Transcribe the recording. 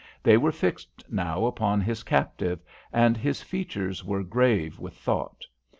They were fixed now upon his captives, and his features were grave with thought.